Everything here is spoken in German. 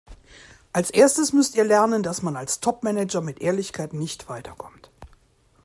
Als Erstes müsst ihr lernen, dass man als Topmanager mit Ehrlichkeit nicht weiterkommt.